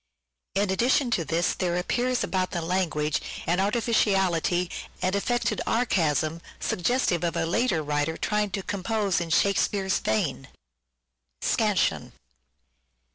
In addition to this there appears about the language an artificiality and affected archaism suggestive of a later writer trying to compose in Shakespeare's vein. Scansion.